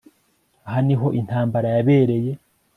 aha niho intambara yabereye